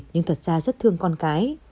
nhưng thật ra rất thương con cái